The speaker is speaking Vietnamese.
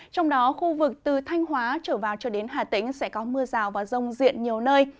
trong đó khu vực từ thanh hóa trở vào cho đến hà tĩnh sẽ có mưa rào và rông diện nhiều nơi